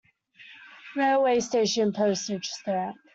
Railway station Postage stamp.